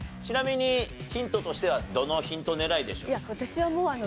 ちなみにヒントとしてはどのヒント狙いでしょう？